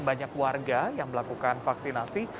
banyak warga yang melakukan vaksinasi